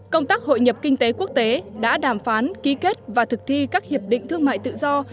công tác hội nhập kinh tế quốc tế đã đàm phán ký kết và thực thi các hiệp định thương mại tự do